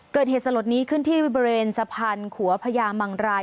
เกิดเหตุสลดนี้ขึ้นที่บริเวณสะพานขัวพญามังราย